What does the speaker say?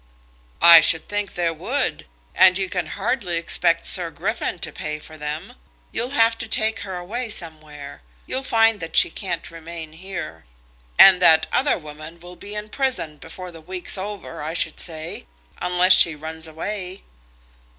"I should think there would, and you can hardly expect Sir Griffin to pay for them. You'll have to take her away somewhere. You'll find that she can't remain here. And that other woman will be in prison before the week's over, I should say, unless she runs away."